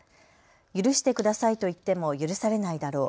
許してくださいと言っても許されないだろう。